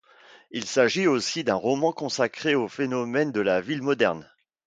Il s'agit aussi d'un roman consacré au phénomène de la ville moderne.